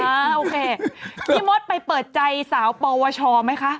โอเคพี่มดไปเปิดใจสาวปวชไหมคะ